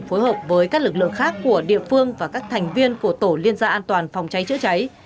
phối hợp với các lực lượng khác của địa phương và các thành viên của tổ liên gia an toàn phòng cháy chữa cháy